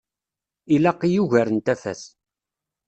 Ilaq-iyi ugar n tafat.